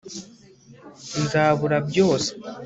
nzabura byose